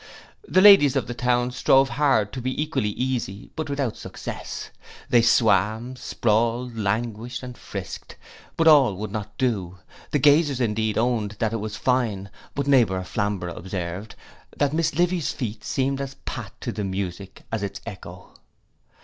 The ladies of the town strove hard to be equally easy, but without success. They swam, sprawled, languished, and frisked; but all would not do: the gazers indeed owned that it was fine; but neighbour Flamborough observed, that Miss Livy's feet seemed as pat to the music as its echo.